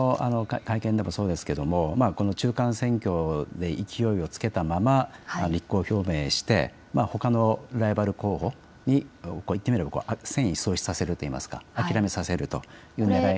先ほどの会見でもそうですが中間選挙で勢いをつけたまま立候補表明してほかのライバル候補にいってみれば戦意喪失させるというか諦めさせるというねらい。